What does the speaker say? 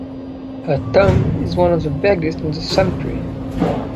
Her tomb is one of the biggest in the cemetery.